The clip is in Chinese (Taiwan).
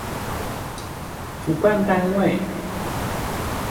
主辦單位